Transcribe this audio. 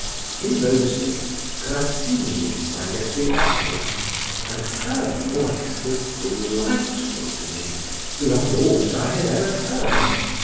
In those days Grassini sang at the Opera, and her voice was delightful to me beyond all that I had ever heard.